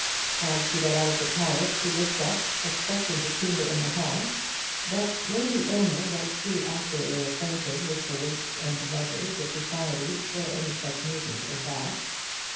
As she got out of the carriage, she looked up, expecting to see her in the hall; but Lady Aylmer was too accurately acquainted with the weights and measures of society for any such movement as that.